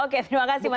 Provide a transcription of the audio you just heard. oke terima kasih mas